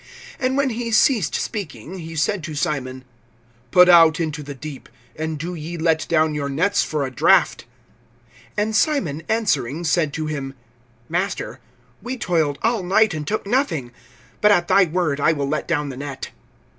(4)And when he ceased speaking, he said to Simon: Put out into the deep; and do ye let down your nets for a draught. (5)And Simon answering said to him: Master, we toiled all night and took nothing; but at thy word I will let down the net.